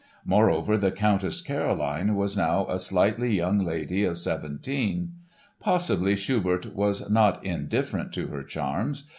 Moreover, the Countess Caroline was now a sightly young lady of seventeen. Possibly Schubert was not indifferent to her charms.